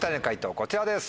こちらです。